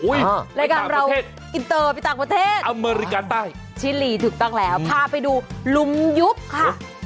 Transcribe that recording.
อุ้ยไปต่างประเทศอเมริกาใต้ชิลีถึงตั้งแล้วพาไปดูลุมยุบค่ะ